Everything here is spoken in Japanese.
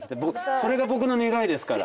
それが僕の願いですから。